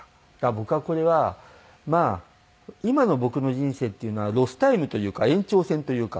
僕はこれはまあ今の僕の人生っていうのはロスタイムというか延長戦というか。